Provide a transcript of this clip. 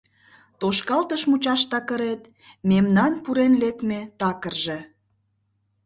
Тошкалтыш мучаш такырет Мемнан пурен-лекме такырже.